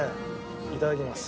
いただきます。